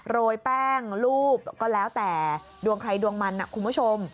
โรยแป้งรูปก็แล้วแต่ดวงใครดวงมันนะคุณผู้ชม